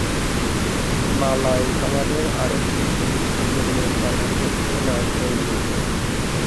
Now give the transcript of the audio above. মালয় খাবারের আরেকটি গুরুত্বপূর্ণ উপাদান হচ্ছে নারকেল দুধ।